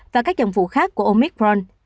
và các dòng phụ khác của omicron